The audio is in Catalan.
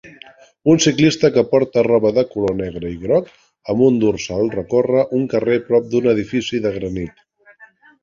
Un ciclista que porta roba de color negre i groc amb un dorsal recorre un carrer prop d'un edifici de granit.